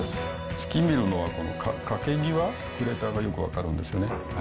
月見るのは欠け際、クレーターがよく分かるんですよね。